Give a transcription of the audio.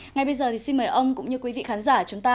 ngay bây giờ thì xin mời ông cũng như quý vị khán giả chúng ta